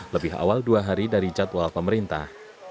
lebih awal dua hari dari jadwal pemerintah